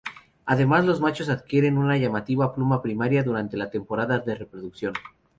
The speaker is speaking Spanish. Además los machos adquieren una llamativa pluma primaria durante la temporada de reproducción.